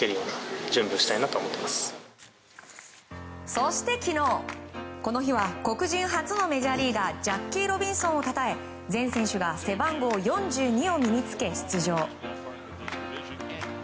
そして、昨日この日は黒人初のメジャーリーガージャッキー・ロビンソンをたたえ全選手が背番号４２を身に着け出場。